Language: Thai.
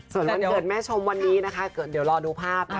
ส่วนวันเกิดแม่ชมวันนี้นะคะเดี๋ยวรอดูภาพนะคะ